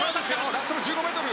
ラストの１５ｍ。